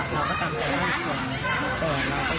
แต่ว่าเราก็ยังไม่ทราบว่าเรียนข้อที่จริงเป็นอะไร